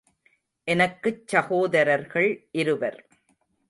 எனக்குச் சகோதரர்கள் இருவர்.